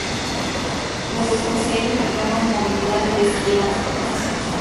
Los desposeídos reclaman movilidad y despliegan su capacidad.